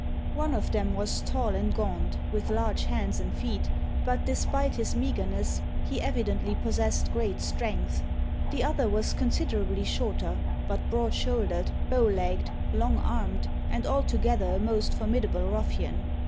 One of them was tall and gaunt, with large hands and feet; but despite his meagreness, he evidently possessed great strength: the other was considerably shorter, but broad shouldered, bow legged, long armed, and altogether a most formidable ruffian.